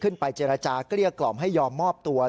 ไปเจรจาเกลี้ยกล่อมให้ยอมมอบตัว